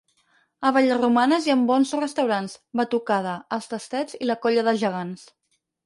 A Vallromanes hi ha bons restaurants, batucada, els tastets i la colla de gegants.